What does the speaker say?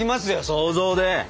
想像で。